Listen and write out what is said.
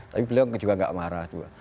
tapi beliau juga gak marah juga